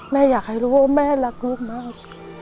แม่อยากให้รู้ว่าแม่รักลูกมาก